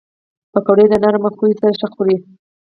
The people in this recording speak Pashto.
پکورې له نرم خویو سره ښه خوري